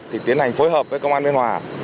thì tiến hành phối hợp với công an biên hòa